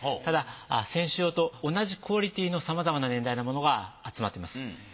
ただ選手用と同じクオリティーのさまざまな年代のものが集まってます。